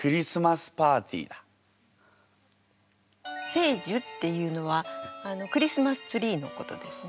「聖樹」っていうのはクリスマスツリーのことですね。